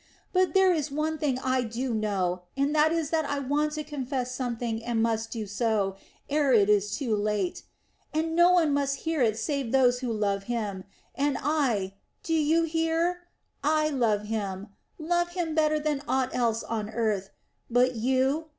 But there is one thing I do know, and that is that I want to confess something and must do so, ere it is too late.... And no one must hear it save those who love him, and I do you hear I love him, love him better than aught else on earth! But you?